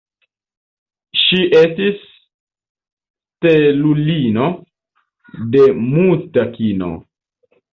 Ŝi estis stelulino de muta kino.